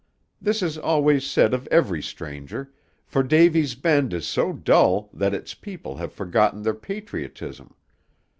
This is always said of every stranger, for Davy's Bend is so dull that its people have forgotten their patriotism.